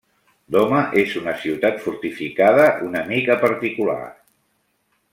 Doma és una ciutat fortificada una mica particular.